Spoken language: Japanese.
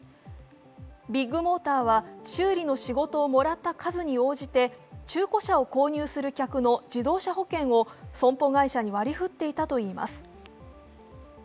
ビッグモーターは修理の仕事をもらった数に応じて中古車を購入する客の自動車保険を損保会社に割り振っていたといいます。